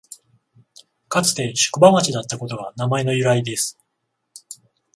かつて宿場町だったことが名前の由来です